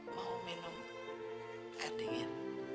mau minum air dingin